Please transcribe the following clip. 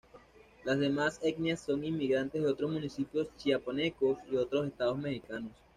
Las demás etnias son inmigrantes de otros municipios chiapanecos y otros estados mexicanos.